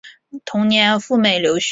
同年赴美留学。